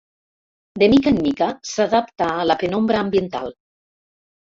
De mica en mica s'adapta a la penombra ambiental.